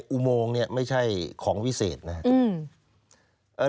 อุโมงเนี่ยไม่ใช่ของวิเศษนะครับ